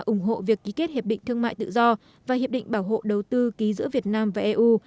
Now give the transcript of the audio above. ủng hộ việc ký kết hiệp định thương mại tự do và hiệp định bảo hộ đầu tư ký giữa việt nam và eu